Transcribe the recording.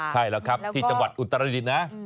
ใช่แล้วครับที่จังหวัดอุตรดิษฐ์นะ